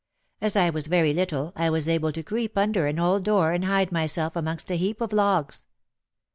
As I was very little, I was able to creep under an old door and hide myself amongst a heap of logs.